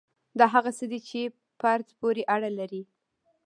دا هغه څه دي چې پر فرد پورې اړه لري.